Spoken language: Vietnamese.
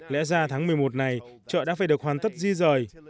lẽ ra tháng một mươi một này chợ đã phải được hoàn tất di rời